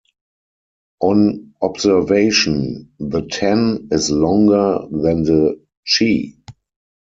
On observation, the Ten is longer than the Chi.